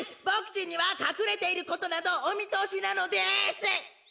ボクちんにはかくれていることなどおみとおしなのです！